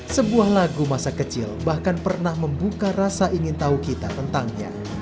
sebuah lagu masa kecil bahkan pernah membuka rasa ingin tahu kita tentangnya